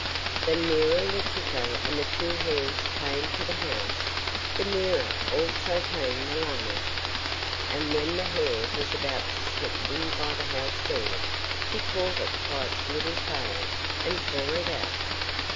The nearer Letiko and the two hares came to the house the nearer also came the lamia, and when the hare was about to slip in by the house door she caught it by its little tail and tore it out.